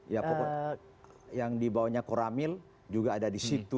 ya pokoknya yang dibawanya koramil juga ada di situ